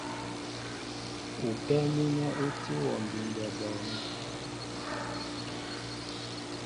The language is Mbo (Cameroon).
Ukɛ́ɛ́ mínɛ ú tí wɔ mbindɛ bɔɔnɛ́.